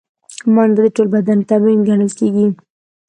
منډه د ټول بدن تمرین ګڼل کېږي